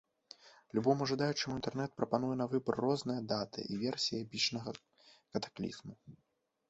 Любому жадаючаму інтэрнэт прапануе на выбар розныя даты і версіі эпічнага катаклізму.